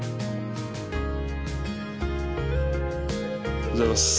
・おはようございます。